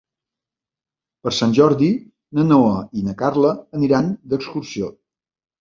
Per Sant Jordi na Noa i na Carla aniran d'excursió.